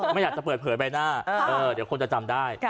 ไม่อยากจะเปิดเผยใบหน้าเดี๋ยวคนจะจำได้